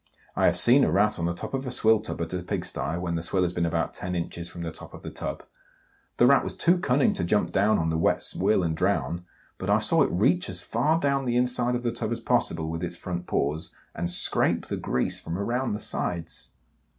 I have seen a Rat on the top of a swill tub at a pigsty, when the swill has been about ten inches from the top of the tub. The Rat was too cunning to jump down on the wet swill and drown, but I saw it reach as far down the inside of the tub as possible with its front paws and scrape the grease from around the sides!